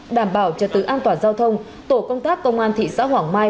đảm bảo trật tự an toàn giao thông tổ công tác công an thị xã hoàng mai